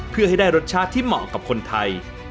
เพื่อให้ได้รสชาติที่เหมาะกับคนไทย